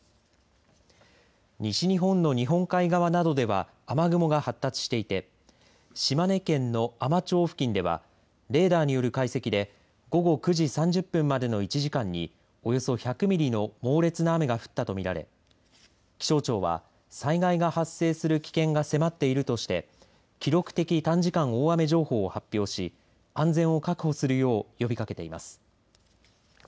西日本の日本海側などでは雨雲が発達していて島根県の海士町付近ではレーダーによる解析で午後９時３０分までの１時間におよそ１００ミリの猛烈な雨が降ったと見られ気象庁は災害が発生する危険が迫っているとして記録的短時間大雨情報を発表し安全を確保するよう呼びかけています。